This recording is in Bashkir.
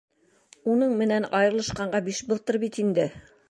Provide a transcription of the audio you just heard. Уның менән айырылышҡанға биш былтыр бит инде.